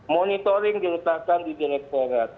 monitoring diletakkan di direkturat